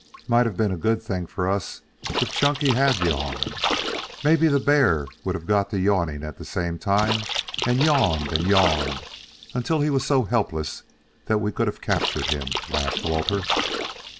"Might have been a good thing for us if Chunky had yawned. Maybe the bear would have got to yawning at the same time, and yawned and yawned until he was so helpless that we could have captured him," laughed Walter.